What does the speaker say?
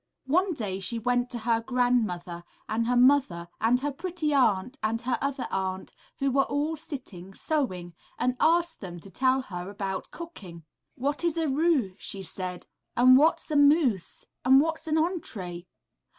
One day she went to her grandmother and her mother and her Pretty Aunt and her Other Aunt, who were all sitting sewing, and asked them to tell here about cooking. ``What is a roux,'' she said, ``and what's a mousse and what's an entrée?